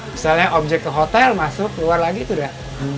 misalnya objek ke hotel masuk keluar lagi itu tidak